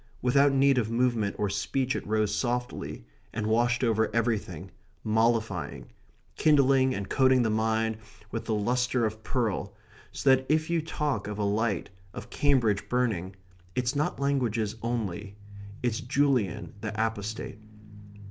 Without need of movement or speech it rose softly and washed over everything, mollifying, kindling, and coating the mind with the lustre of pearl, so that if you talk of a light, of Cambridge burning, it's not languages only. It's Julian the Apostate.